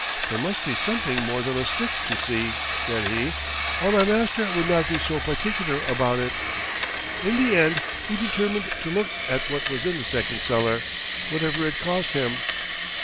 "There must be something more than a stick to see," said he, "or my master would not be so particular about it." In the end he determined to look at what was in the second cellar, whatever it cost him.